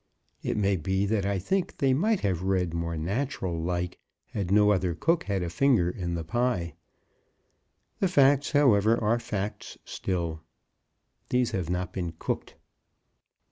It may be that I think they might have read more natural like had no other cook had a finger in the pie. The facts, however, are facts still. These have not been cooked.